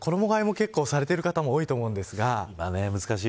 衣替えをされてる方も多いと思うんですが。